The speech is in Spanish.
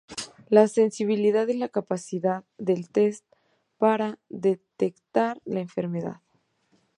La sensibilidad es la capacidad del test para detectar la enfermedad.